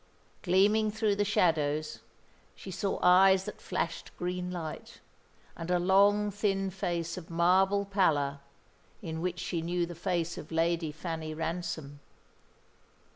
Gleaming through the shadows, she saw eyes that flashed green light, and a long, thin face of marble pallor, in which she knew the face of Lady Fanny Ransom.